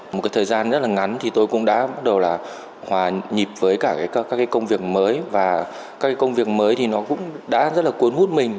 một cái thời gian rất là ngắn thì tôi cũng đã bắt đầu là hòa nhịp với cả các cái công việc mới và các công việc mới thì nó cũng đã rất là cuốn hút mình